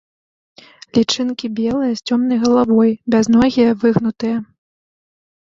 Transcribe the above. Лічынкі белыя, з цёмнай галавой, бязногія, выгнутыя.